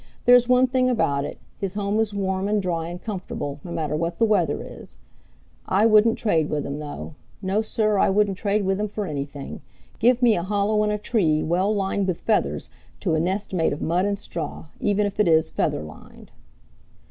There's one thing about it, his home is warm and dry and comfortable, no matter what the weather is. I wouldn't trade with him, though. No, sir, I wouldn't trade with him for anything. Give me a hollow in a tree well lined with feathers to a nest made of mud and straw, even if it is feather lined."